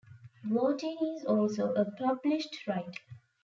Vlautin is also a published writer.